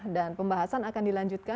dan pembahasan akan berlangsung